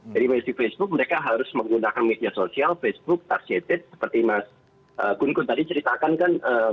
jadi di facebook mereka harus menggunakan media sosial facebook targeted seperti mas gun gun tadi ceritakan kan